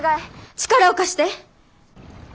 力を貸して。